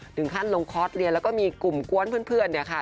ถึงขั้นลงคอร์สเรียนแล้วก็มีกลุ่มกวนเพื่อนเนี่ยค่ะ